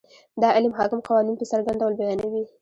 دا علم حاکم قوانین په څرګند ډول بیانوي.